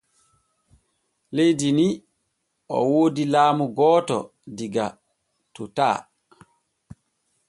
Leydi ni o woodi laamu gooto diga totaa.